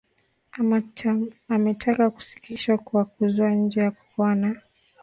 ama ametaka kusitishwa kwa kuzwa nje kwa cocoa na